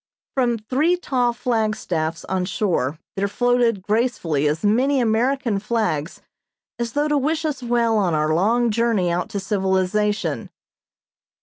From three tall flagstaffs on shore there floated gracefully as many American flags as though to wish us well on our long journey out to civilization.